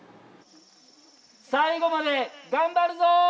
最後まで頑張るぞ！